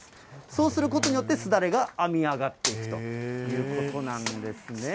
そうすることによって、すだれが編み上がっていくということなんですね。